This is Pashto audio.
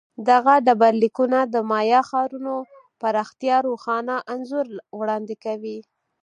دغه ډبرلیکونه د مایا ښارونو پراختیا روښانه انځور وړاندې کوي